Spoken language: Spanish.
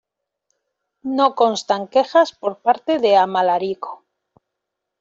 No constan quejas por parte de Amalarico.